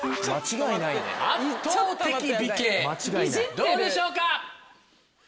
どうでしょうか？